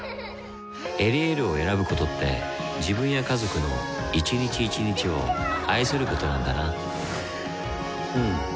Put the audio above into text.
「エリエール」を選ぶことって自分や家族の一日一日を愛することなんだなうん。